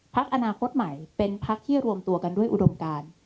พักอนาคตใหม่เป็นพักที่รวมตัวกันด้วยอุดมการ